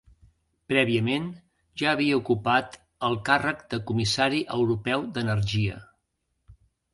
Prèviament ja havia ocupat el càrrec de Comissari Europeu d'Energia.